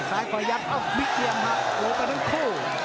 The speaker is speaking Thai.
ซ้ายก่อนยังอ้าววิเตียมหักหลงกันทั้งคู่